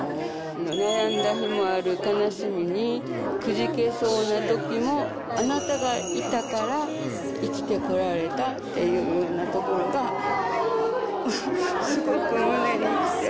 悩んだ日もあるかなしみにくじけそうなときも、あなたがいたから生きてこられたっていうようなところが、すごく胸に来て。